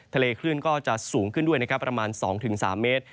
ทะเลคลื่นก็จะสูงขึ้นด้วยประมาณ๒๓เมตร